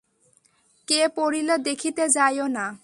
কে পড়িল দেখিতে যাইও না।